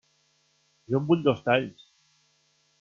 Jo en vull dos talls.